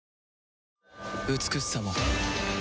美しさも